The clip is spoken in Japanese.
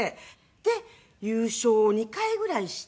で優勝を２回ぐらいして。